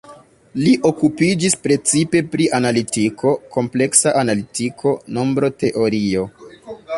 Li okupiĝis precipe pri analitiko, kompleksa analitiko, nombroteorio.